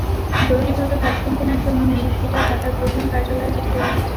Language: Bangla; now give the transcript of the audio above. জরুরিভাবে ভ্যাকসিন কেনার জন্য মিল্ক ভিটার ঢাকার প্রধান কার্যালয়ে চিঠি দেওয়া হয়েছে।